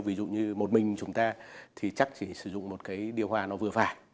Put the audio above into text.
ví dụ như một mình chúng ta thì chắc chỉ sử dụng một cái điều hòa nó vừa phải